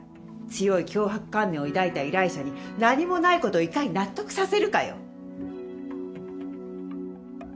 強い強迫観念を抱いた依頼者に何もないことをいかに納得させるかよ。